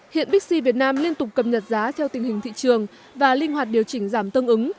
hiện bixi việt nam liên tục cập nhật giá theo tình hình thị trường và linh hoạt điều chỉnh giảm tương ứng